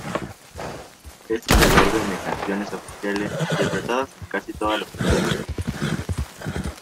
Este es el orden de canciones oficiales interpretadas en casi todas las presentaciones.